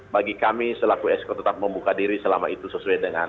bagi kami selaku exco tetap membuka diri selama itu sesuai dengan